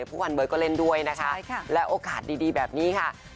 ผู้พันเบิร์ดก็เล่นด้วยนะคะและโอกาสดีแบบนี้ค่ะค่ะใช่ค่ะ